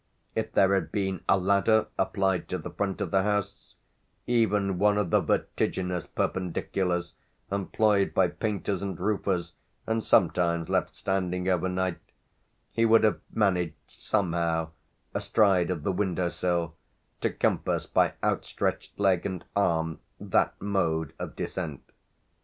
If there had been a ladder applied to the front of the house, even one of the vertiginous perpendiculars employed by painters and roofers and sometimes left standing overnight, he would have managed somehow, astride of the window sill, to compass by outstretched leg and arm that mode of descent.